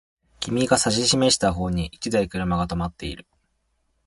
君が指差した方に一台車が止まっている